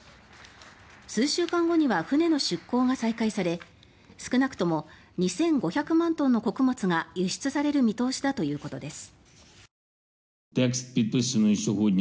数週間後には船の出港が再開され少なくとも２５００万トンの穀物が輸出される見通しだということです。